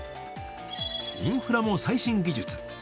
インフラも最新技術。